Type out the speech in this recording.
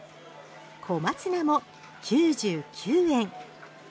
小松菜も９９円。